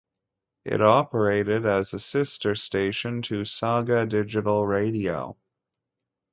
It operated as a sister station to Saga Digital radio.